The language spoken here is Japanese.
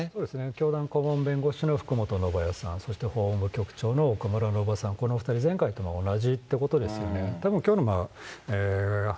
教団顧問弁護士の福本修也さん、法務局長のおかむらのぶおさん、このお２人、前回と同じということですね。